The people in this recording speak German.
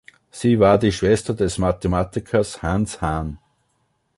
Sie war die Schwester des Mathematikers Hans Hahn.